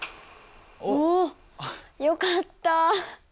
およかった。